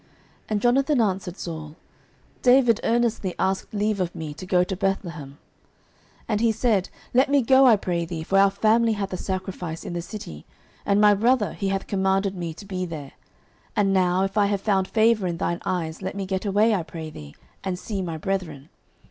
09:020:028 And Jonathan answered Saul, David earnestly asked leave of me to go to Bethlehem: 09:020:029 And he said, Let me go, I pray thee; for our family hath a sacrifice in the city; and my brother, he hath commanded me to be there: and now, if I have found favour in thine eyes, let me get away, I pray thee, and see my brethren.